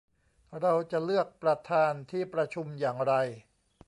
เราจะเลือกประธานที่ประชุมอย่างไร